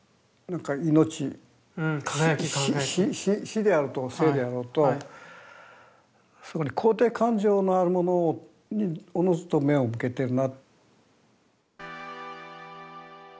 死であろうと生であろうとそこに肯定感情のあるものにおのずと目を向けてるな。